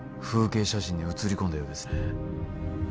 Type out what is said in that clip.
風景写真に写り込んだようですね